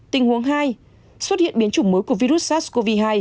tình huống hai xuất hiện biến chủng mới của virus sars cov hai